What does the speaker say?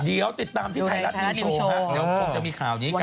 เดี๋ยวติดตามที่ไทยรัฐนิวโชว์ฮะเดี๋ยวคงจะมีข่าวนี้กัน